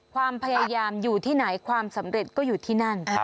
ความพยายามอยู่ที่ไหนความสำเร็จก็อยู่ที่นั่น